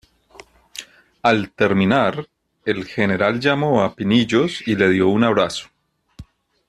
Al terminar, el General llamó a Pinillos y le dio un abrazo.